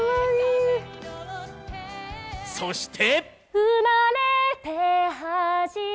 そして。